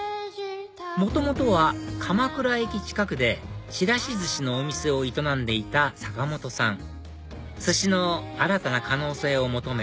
元々は鎌倉駅近くでちらしずしのお店を営んでいた坂本さん寿司の新たな可能性を求め